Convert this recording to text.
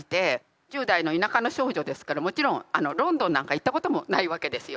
１０代の田舎の少女ですからもちろんロンドンなんか行ったこともないわけですよ。